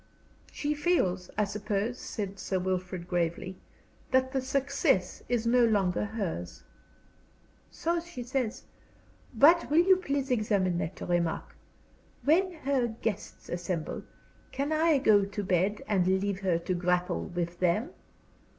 "She feels, I suppose," said Sir Wilfrid, gravely, "that the success is no longer hers." "So she says. But will you please examine that remark? When her guests assemble, can I go to bed and leave her to grapple with them?